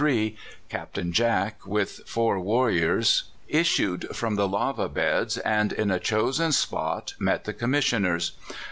1873, CajDtain Jack, with four warriorr;, l^i^ned from the lava beds, and in a chosen spot i^/t the com missioners.